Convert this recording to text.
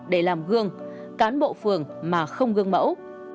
để làm gương cán bộ phường mà không gương mẫu